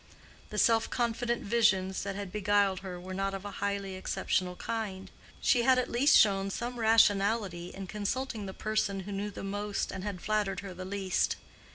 The self confident visions that had beguiled her were not of a highly exceptional kind; and she had at least shown some rationality in consulting the person who knew the most and had flattered her the least.